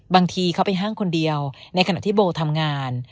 บางทีเขาไปห้างคนเดียวในขณะที่โบทำงาน